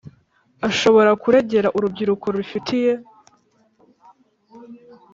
Ashobobora kuregera urukiko rubifitiye